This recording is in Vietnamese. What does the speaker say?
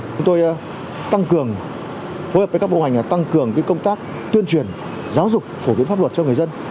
chúng tôi tăng cường phối hợp với các bộ hành tăng cường công tác tuyên truyền giáo dục phổ biến pháp luật cho người dân